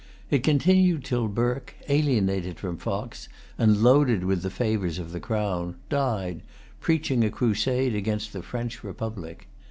It continued till Burke, alienated from Fox, and loaded with the favors of the Crown, died, preaching a crusade against the French republic.